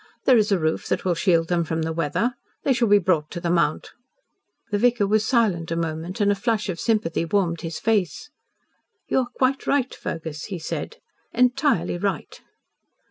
There is a roof that will shield them from the weather. They shall be brought to the Mount." The vicar was silent a moment, and a flush of sympathy warmed his face. "You are quite right, Fergus," he said, "entirely right."